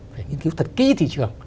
phải nghiên cứu thật kỹ thị trường